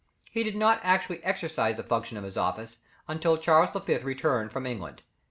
He did not actually exercise the functions of his office till Charles V. returned from England.